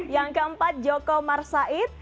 yang keempat joko marsaid